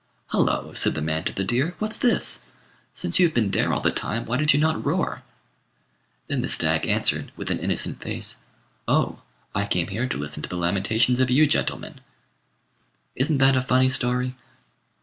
"Hullo!" said the man to the deer, "what's this? Since you've been there all the time, why did you not roar?" Then the stag answered, with an innocent face "Oh, I came here to listen to the lamentations of you gentlemen." Isn't that a funny story?